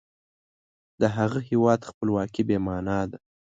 د هغه هیواد خپلواکي بې معنا ده.